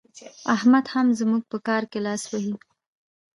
احمد هم زموږ په کار کې لاس وهي.